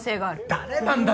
誰なんだ？